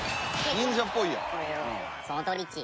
忍者っぽいやん。